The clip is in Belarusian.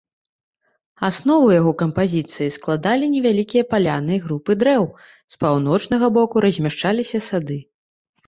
Аснову яго кампазіцыі складалі невялікія паляны і групы дрэў, з паўночнага боку размяшчаліся сады.